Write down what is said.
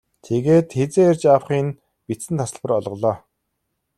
Тэгээд хэзээ ирж авахы нь бичсэн тасалбар олголоо.